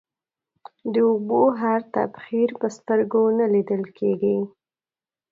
د اوبو هر تبخير په سترگو نه ليدل کېږي.